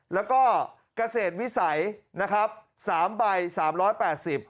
แล้วก็เกษตรวิสัย๓ใบ๓๘๐